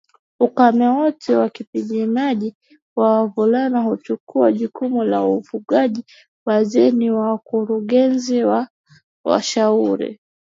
ukame wote wapiganaji kwa wavulana huchukua jukumu la ufugaji Wazee ni wakurugenzi na washauri